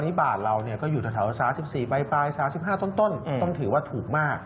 นี่บาทเราก็อยู่แถว๓๔ปลาย๓๕ต้นต้องถือว่าถูกมาก